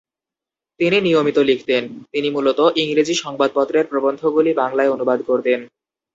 তিনি নিয়মিত লিখতেন; তিনি মূলত ইংরেজি সংবাদপত্রের প্রবন্ধগুলি বাংলায় অনুবাদ করতেন।